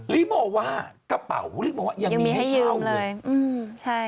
ลีบโม่ว่ากระเป๋าลีบโม่ยังไม่ให้เช่า